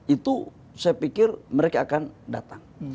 itu saya pikir mereka akan datang